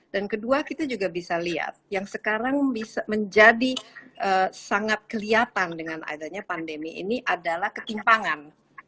dan kedua kita juga bisa lihat yang sekarang bisa menjadi sangat kelihatan dengan adanya pandemi ini adalah ketimpangan